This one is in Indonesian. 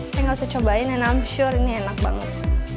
saya nggak usah cobain and i'm sure ini enak banget